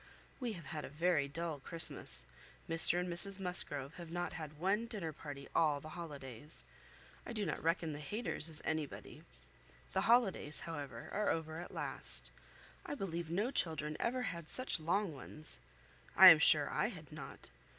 We have had a very dull Christmas; Mr and Mrs Musgrove have not had one dinner party all the holidays. I do not reckon the Hayters as anybody. The holidays, however, are over at last: I believe no children ever had such long ones. I am sure I had not.